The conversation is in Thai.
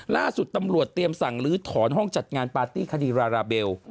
ล่าสุดตำรวจเตรียมสั่งลื้อถอนห้องจัดงานปาร์ตี้คดีราราเบล